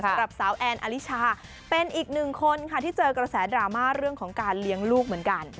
สำหรับสาวแอนอลิชาเป็นอีกหนึ่งคนค่ะที่เจอกระแสดราม่าเรื่องของการเลี้ยงลูกเหมือนกัน